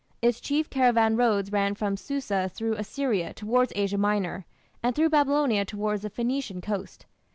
Its chief caravan roads ran from Susa through Assyria towards Asia Minor, and through Babylonia towards the Phoenician coast.